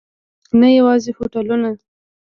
نه یوازې هوټلونه.